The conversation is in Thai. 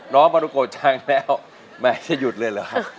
น้องมะรุโกจังแล้วแม่จะหยุดเลยเหรอครับ